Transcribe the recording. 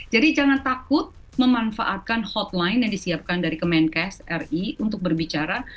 jangan takut memanfaatkan hotline yang disiapkan dari kemenkes ri untuk berbicara